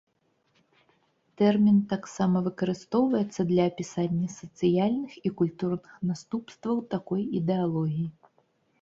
Тэрмін таксама выкарыстоўваецца для апісання сацыяльных і культурных наступстваў такой ідэалогіі.